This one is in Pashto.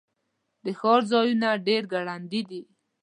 د ښار ځایونه ډیر ګراندي